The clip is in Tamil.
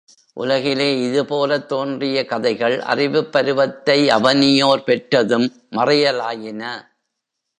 உலகிலே இதுபோலத் தோன்றிய கதைகள், அறிவுப் பருவத்தை அவனியோர் பெற்றதும் மறையலாயின!